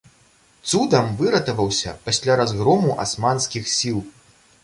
Цудам выратаваўся пасля разгрому асманскіх сіл.